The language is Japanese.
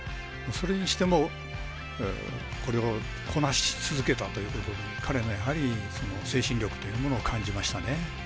それにしてもこれをこなし続けたというところに彼のやはり精神力というものを感じましたね。